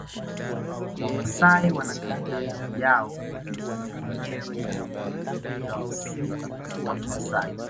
Wamasai wana kalenda yao wenyewe za msimu wa kimasai